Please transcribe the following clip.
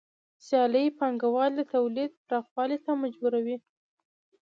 سیالي پانګوال د تولید پراخوالي ته مجبوروي